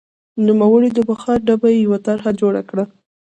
نوموړي د بخار ډبې یوه طرحه جوړه کړه.